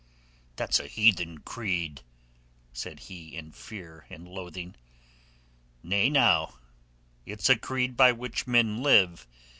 "That's a heathen creed," said he in fear and loathing. "Nay, now; it's a creed by which men live.